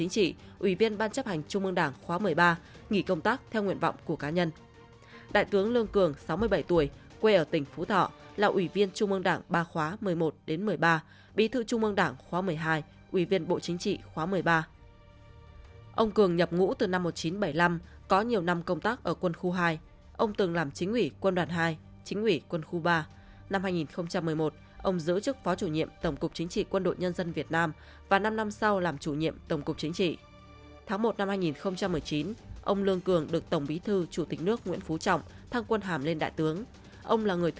xin chào và hẹn gặp lại các bạn trong những video tiếp theo